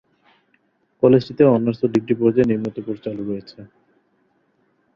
কলেজটিতে honours ও degree পর্যায়ে নিম্নোক্ত কোর্স চালু রয়েছে